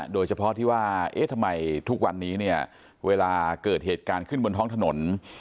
โดยเฉพาะที่ว่าเอ๊ะทำไมทุกวันนี้เนี่ยเวลาเกิดเหตุการณ์ขึ้นบนท้องถนน